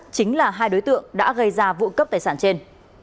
chính là hai đối tượng đã gây ra vụ cướp tài sản trên